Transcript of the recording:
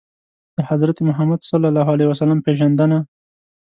د حضرت محمد ﷺ پېژندنه